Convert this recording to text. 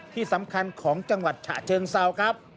ที่สำคัญของจังหวัดฉะเชิงเซาครับ